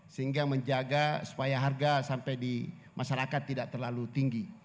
sehingga menjaga supaya harga sampai di masyarakat tidak terlalu tinggi